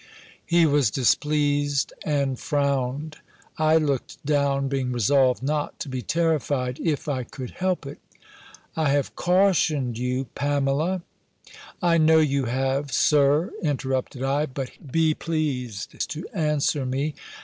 He was displeased, and frowned: I looked down, being resolved not to be terrified, if I could help it. "I have cautioned you, Pamela " "I know you have, Sir," interrupted I; "but be pleased to answer me.